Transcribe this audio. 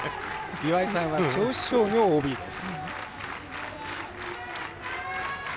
岩井さんは銚子商業のＯＢです。